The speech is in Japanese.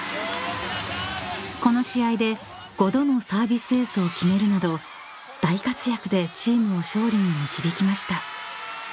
［この試合で５度のサービスエースを決めるなど大活躍でチームを勝利に導きました］